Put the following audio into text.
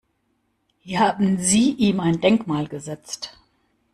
Hier haben Sie ihm ein Denkmal gesetzt.